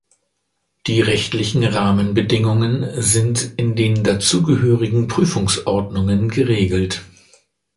Die rechtlichen Rahmenbedingungen sind in den dazugehörigen Prüfungsordnungen geregelt.